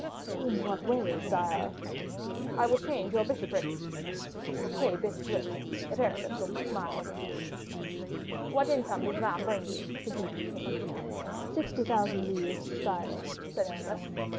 "In what way, sire?" "I will change your bishopric." Fouquet bit his lips, but Aramis only smiled. "What income does Vannes bring you in?" continued the king. "Sixty thousand livres, sire," said Aramis.